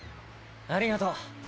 ありがとう。